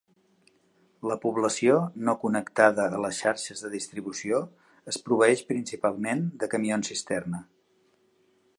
La població no connectada a les xarxes de distribució es proveeix principalment de camions cisterna.